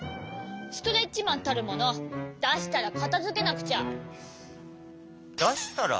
ストレッチマンたるものだしたらかたづけなくちゃ！